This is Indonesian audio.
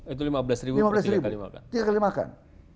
itu lima belas ribu per tiga kali makan